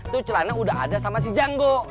tuh celana udah ada sama si janggo